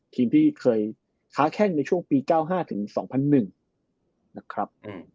ทีมที่เคยค้าแข้งในช่วงปี๙๕ถึง๒๐๐๑นะครับ